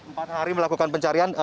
empat hari melakukan pencarian